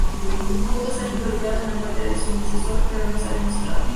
Pudo estar involucrado en la muerte de su antecesor, pero no se ha demostrado.